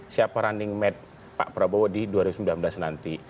siapa running made pak prabowo di dua ribu sembilan belas nanti